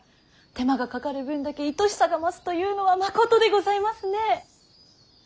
手間がかかる分だけいとしさが増すというのはまことでございますね。